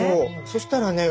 そしたらね